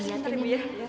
saya sebentar ya